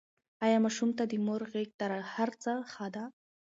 ایا ماشوم ته د مور غېږ تر هر څه ښه ده؟